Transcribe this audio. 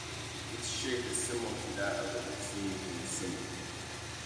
Its shape is similar to that of the "Wolfsangel" symbol.